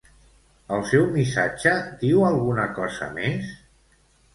El seu missatge diu alguna cosa més?